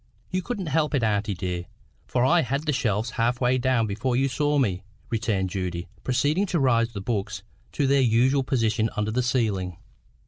"You couldn't help it, auntie, dear; for I had the shelf half way down before you saw me," returned Judy, proceeding to raise the books to their usual position under the ceiling.